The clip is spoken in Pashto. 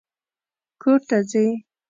کور ته ځې؟